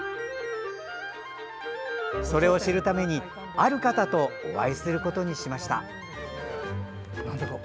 それを知るためにある方とお会いすることにしました。